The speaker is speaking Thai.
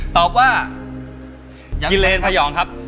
ตอบว่ากิเลนพยองครับ